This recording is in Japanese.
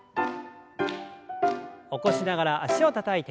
起こしながら脚をたたいて。